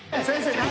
先生。